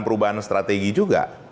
perubahan strategi juga